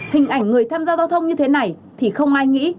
hình ảnh người tham gia giao thông như thế này thì không ai nghĩ